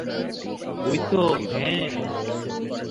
ওইতো, হ্যা।